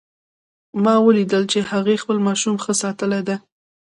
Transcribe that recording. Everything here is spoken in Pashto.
ما ولیدل چې هغې خپل ماشوم ښه ساتلی ده